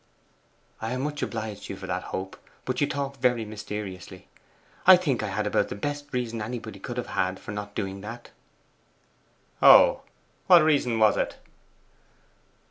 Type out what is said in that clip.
'I am much obliged to you for that hope. But you talk very mysteriously. I think I had about the best reason anybody could have had for not doing that.' 'Oh, what reason was it?